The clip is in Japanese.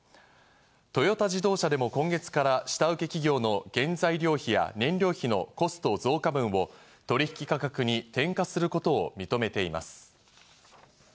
トヨタ自動車でも今月から下請け企業の原材料費や燃料費のコスト増加分を取引価格に転嫁することを認めています。